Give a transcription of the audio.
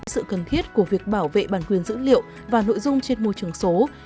sự cần thiết của việc bảo vệ bản quyền dữ liệu và nội dung trên môi trường số